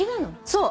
そう。